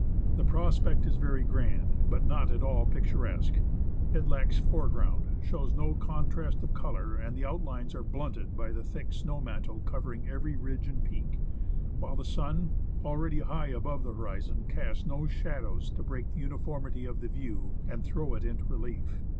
The prospect is very grand, but not at all picturesque ; it lacks foreground, shows no contrast of colour, and the outlines are blunted by the thick snow mantle covering every ridge and peak ; while the sun, already high above the horizon, casts no shadows to break the uniformity of the view and throw it into relief.